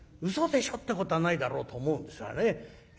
うそでしょってことはないだろうと思うんですがね。